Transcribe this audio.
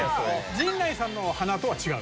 陣内さんの鼻とは違う？